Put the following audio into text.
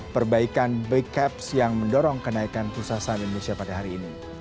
perbaikan back caps yang mendorong kenaikan pursa saham indonesia pada hari ini